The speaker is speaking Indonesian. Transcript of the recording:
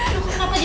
kamu kena sakit ya